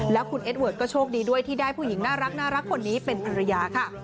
แล้วคุณเอสเวิร์ดก็โชคดีด้วยที่ได้ผู้หญิงน่ารักคนนี้เป็นภรรยาค่ะ